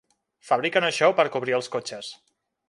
Fabriquen això per cobrir els cotxes.